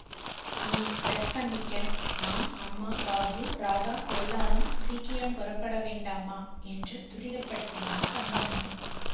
நீ டிரஸ் பண்ணிக்க நான், அம்மா, பாபு, ராதா எல்லாரும் சீக்கிரம் புறப்பட வேண்டாமா? என்று துரிதப்படுத்தினாள் தங்கமணி.